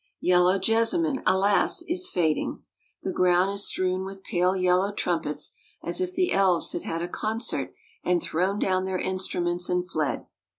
Yellow jessamine, alas! is fading. The ground is strewn with pale yellow trumpets, as if the elves had had a concert and thrown down their instruments, and fled.